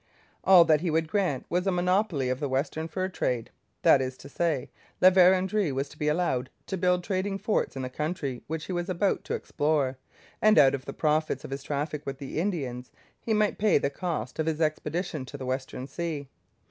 All that he would grant was a monopoly of the western fur trade. That is to say, La Vérendrye was to be allowed to build trading forts in the country which he was about to explore, and, out of the profits of his traffic with the Indians, he might pay the cost of his expedition to the Western Sea.